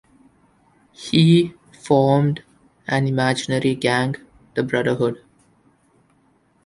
He formed an imaginary gang, the Brotherhood.